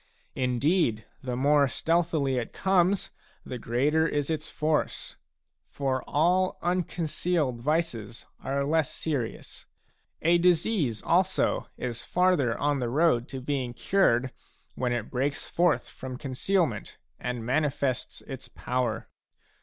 Indeed, the more stealthily it comes, the greater is its force. For all unconcealed vices are less serious ; a disease also is farther on the road to being cured when it breaks forth from concealment and manifests its power.